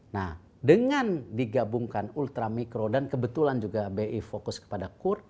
nah dengan digabungkan ultra mikro dan kebetulan juga bri fokus kepada kur